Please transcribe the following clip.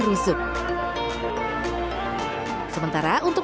masih lelah dari di awal